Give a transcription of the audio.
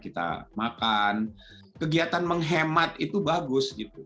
kita makan kegiatan menghemat itu bagus